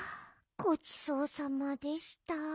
ごちそうさまでした。